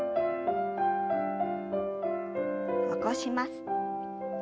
起こします。